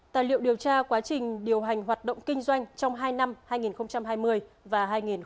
tài liệu điều tra quá trình điều hành hoạt động kinh doanh trong hai năm hai nghìn hai mươi và hai nghìn hai mươi một